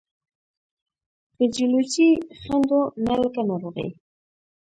فزیولوجیکي خنډو نه لکه ناروغي،